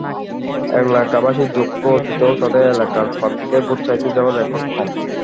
এলাকাবাসীর দুঃখ, অতীতেও তাঁদের এলাকায় প্রার্থীদের ভোট চাইতে যাওয়ার রেকর্ড কম।